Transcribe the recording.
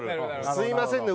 「すみませんね